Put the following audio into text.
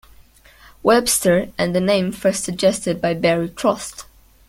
Webster and the name first suggested by Barry Trost.